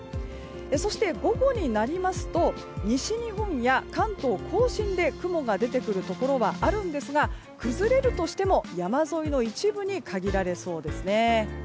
そして、午後になりますと西日本や関東・甲信で雲が出てくるところはあるんですが崩れるとしても山沿いの一部に限られそうですね。